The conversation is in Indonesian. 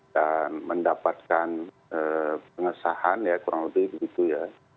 dan mendapatkan pengesahan ya kurang lebih begitu ya